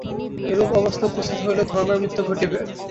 এরূপ অবস্থা উপস্থিত হইলে ধর্মের মৃত্যু ঘটিবে।